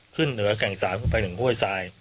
ขึ้นเหนือแก่ง๓ขึ้นไปถึงห้วยทราย